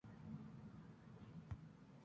Casale clasificado a la competición.